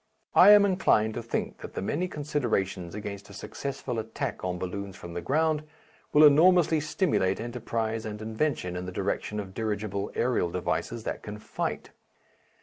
I am inclined to think that the many considerations against a successful attack on balloons from the ground, will enormously stimulate enterprise and invention in the direction of dirigible aerial devices that can fight.